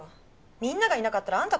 みんながいなかったらあんた